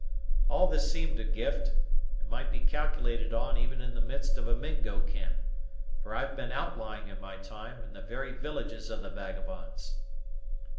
All this seemed a gift, and might be calculated on even in the midst of a Mingo camp; for I've been outlying in my time, in the very villages of the vagabonds."